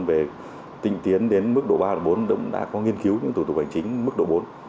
về tinh tiến đến mức độ ba mức độ bốn đã có nghiên cứu những thủ tục hành chính mức độ bốn